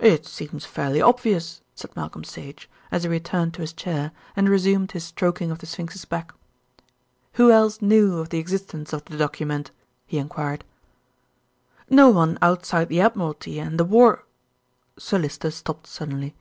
"It seems fairly obvious," said Malcolm Sage, as he returned to his chair and resumed his stroking of the sphinx's back. "Who else knew of the existence of the document?" he enquired. "No one outside the Admiralty and the War " Sir Lyster stopped suddenly.